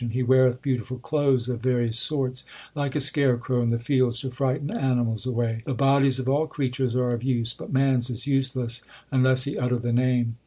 He weareth beautiful clothes of various sorts Like a scarecrow in the fields to frighten animals away. 144 THE SIKH RELIGION The bodies of all creatures are of use, But man s is useless unless he utter the Name.